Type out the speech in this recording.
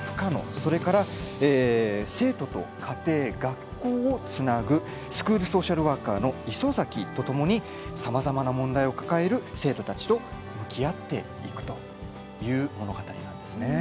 それから生徒と家庭学校をつなぐスクールソーシャルワーカーの磯崎とともにさまざまな問題を抱える生徒たちと向き合っていくという物語なんですね。